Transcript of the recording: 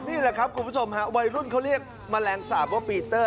นี่แหละครับคุณผู้ชมฮะวัยรุ่นเขาเรียกแมลงสาปว่าปีเตอร์